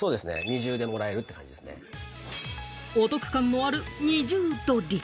お得感のある２重取り。